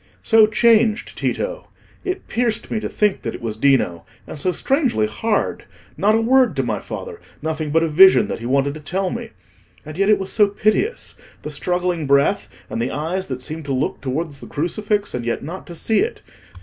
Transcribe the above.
"So changed, Tito! It pierced me to think that it was Dino. And so strangely hard: not a word to my father; nothing but a vision that he wanted to tell me. And yet it was so piteous—the struggling breath, and the eyes that seemed to look towards the crucifix, and yet not to see it.